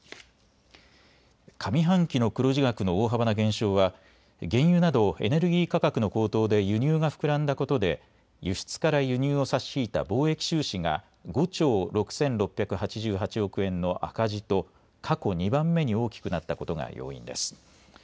上半期の黒字額の大幅な減少は原油などエネルギー価格の高騰で輸入が膨らんだことで輸出から輸入を差し引いた貿易収支が５兆６６８８億円の赤字と、過去２番目に大きくなったことが要因です。